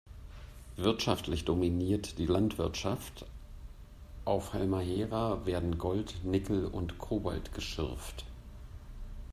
Wirtschaftlich dominiert die Landwirtschaft, auf Halmahera werden Gold, Nickel und Cobalt geschürft.